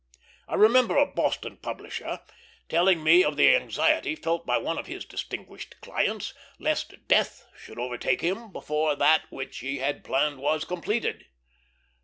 I remember a Boston publisher telling me of the anxiety felt by one of his distinguished clients, lest death should overtake him before that which he had planned was completed.